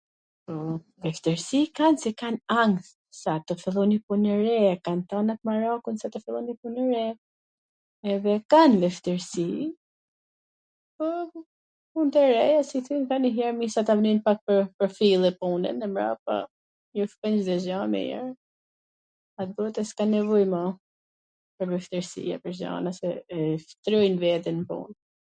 vwshtirsi kan se kan ankth, sa tw fillon njw pun e re, kan tan at merakun se tw fillon njw pun e re edhe kan vwshtirsi, po punt e reja s bahen njwher pa pwrfillje pune edhe mbrapa shkon Cdo gja mir, atbote s ka nevoj ma pwr vwshtirsi e pwr gjana se e shtrojn veten n pun